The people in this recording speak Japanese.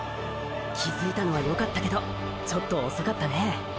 気づいたのはよかったけどちょっと遅かったね。